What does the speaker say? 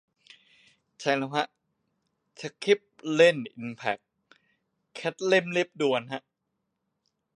ใช่แล้วฮะ สคริปเล่นอิมแพค แคทเล่นเลียบด่วนฮะ